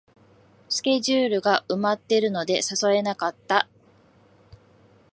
スケジュールが埋まってるので誘えなかった